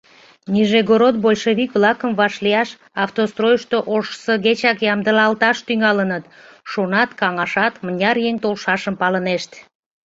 Нижегород большевик-влакым вашлияш Автостройышто ожсыгечак ямдылалташ тӱҥалыныт: шонат, каҥашат — мыняр еҥ толшашым палынешт.